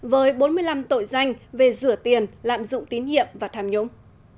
với bốn mươi năm tội danh về rửa tiền lạm dụng tín nhiệm và tham nhũng